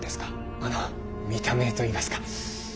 あの見た目といいますか。